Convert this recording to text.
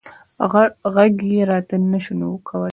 غږ یې راته نه شو کولی.